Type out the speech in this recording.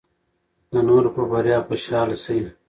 د نورو په بریا خوشحاله شئ.